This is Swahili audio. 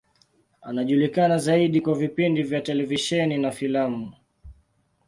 Anajulikana zaidi kwa vipindi vya televisheni na filamu.